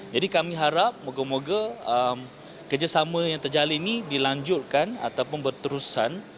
jadi kami harap moga moga kerjasama yang terjalin ini dilanjutkan ataupun berterusan